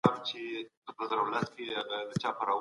د افکارو لیدلوری باید پراخ وي.